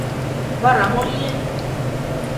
Вара мо лие?